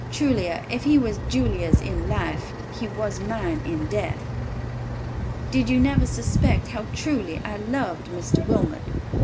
Truly if he were Julia's in life, he was mine in death. Did you never suspect how truly I loved Mr. Wilmot?